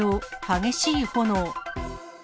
激しい炎。